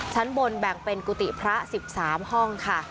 ชั้นบนแบ่งเป็นกุฏิพระ๑๓ห้องค่ะ